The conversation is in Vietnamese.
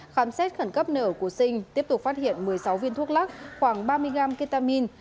khám xét khẩn cấp nợ của sinh tiếp tục phát hiện một mươi sáu viên thuốc lắc khoảng ba mươi gram ketamin